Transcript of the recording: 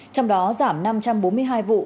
trong đó giảm năm trăm bốn mươi hai vụ